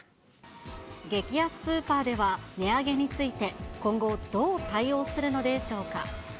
激安スーパーでは値上げについて、今後、どう対応するのでしょうか。